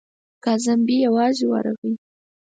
کازم بې یوازې ورغی.